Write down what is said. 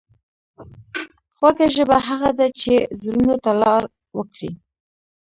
خوږه ژبه هغه ده چې زړونو ته لار وکړي.